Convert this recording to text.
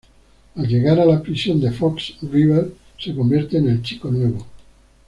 Al llegar a la prisión de Fox River se convierte en el chico nuevo.